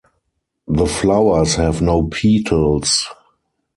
The flowers have no petals.